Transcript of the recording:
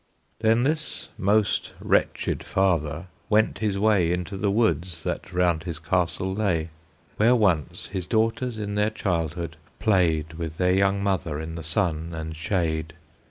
Then this most wretched father went his way Into the woods, that round his castle lay, Where once his daughters in their childhood played With their young mother in the sun and shade.